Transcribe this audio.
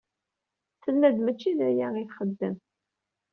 Tenna-d mačči d aya i texdem.